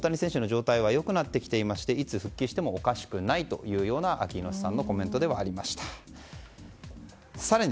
１週間前より大谷選手の状態は良くなってきていましていつ復帰してもおかしくないというＡＫＩ猪瀬さんのコメントではありました。